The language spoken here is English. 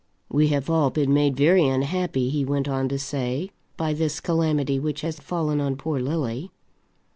"We have all been made very unhappy," he went on to say, "by this calamity which has fallen on poor Lily."